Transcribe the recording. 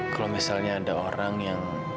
kalau misalnya ada orang yang